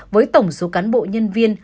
với tổng số cán bộ nhân viên